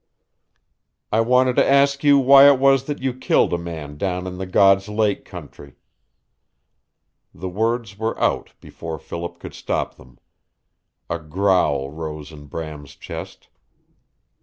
"I wanted to ask you why it was that you killed a man down in the God's Lake country." The words were out before Philip could stop them. A growl rose in Bram's chest.